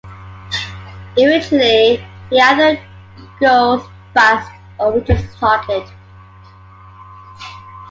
Eventually he either goes bust or reaches his target.